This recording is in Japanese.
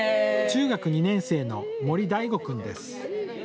中学２年生の森大護君です。